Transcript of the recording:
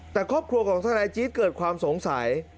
แต่ครอบครัวของทนายจี๊ดเกิดความสงสัย